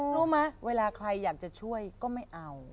รู้ไหมเวลาใครอยากจะช่วยก็ไม่เอา